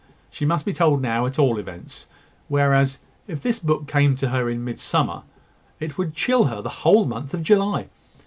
She must be told now, at all events: whereas, if this book came to her at Midsummer, it would chill her whole month of July.